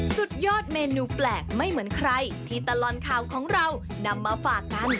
สุดยอดเมนูแปลกไม่เหมือนใครที่ตลอดข่าวของเรานำมาฝากกัน